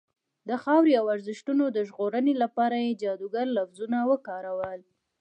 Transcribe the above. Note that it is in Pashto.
د خاورې او ارزښتونو د ژغورنې لپاره یې جادوګر لفظونه وکارول.